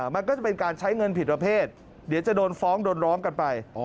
มันก็จะเป็นการใช้เงินผิดประเภทเดี๋ยวจะโดนฟ้องโดนร้องกันไป